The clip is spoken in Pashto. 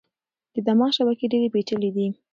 د دماغ شبکې ډېرې پېچلې دي.